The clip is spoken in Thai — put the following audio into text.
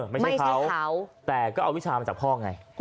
ไม่ใช่เขาแต่ก็เอาวิชามาจากพ่อไง